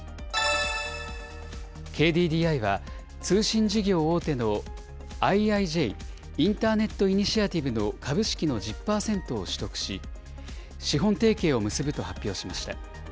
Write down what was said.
ＫＤＤＩは、通信事業大手のＩＩＪ・インターネットイニシアティブの株式の１０％を取得し、資本提携を結ぶと発表しました。